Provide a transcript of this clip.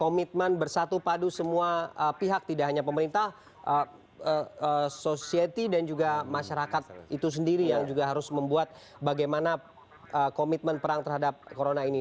komitmen bersatu padu semua pihak tidak hanya pemerintah society dan juga masyarakat itu sendiri yang juga harus membuat bagaimana komitmen perang terhadap corona ini